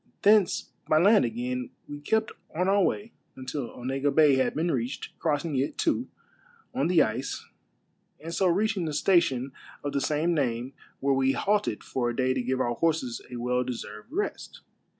Thence by land again, we kept on our way until Onega Bay had been reached, crossing it, too, on the ice, and so reaching the station of the same name, where we halted for a day to give our horses a well deserved rest.